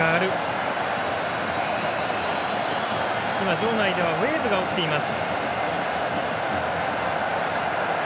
場内ではウエーブが起きています。